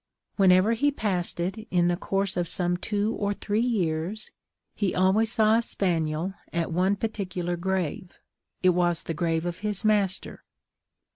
Whenever he passed it, in the course of some two or three years, he always saw a spaniel at one particular grave it was the grave of his master.